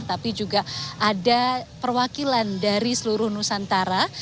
tapi juga ada perwakilan dari seluruh nusantara